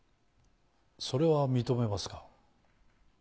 それは認めますか？